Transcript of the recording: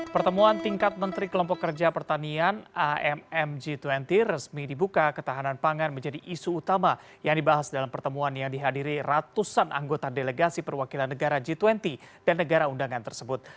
pertemuan tingkat menteri kelompok kerja pertanian amm g dua puluh resmi dibuka ketahanan pangan menjadi isu utama yang dibahas dalam pertemuan yang dihadiri ratusan anggota delegasi perwakilan negara g dua puluh dan negara undangan tersebut